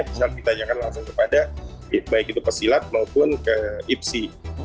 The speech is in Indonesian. bisa ditanyakan langsung kepada baik itu pesilat maupun ke ipsi